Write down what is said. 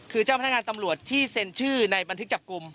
คือเจ้าพนักงานตำรวจที่เซ็นชื่อในบันทึกจับกลุ่ม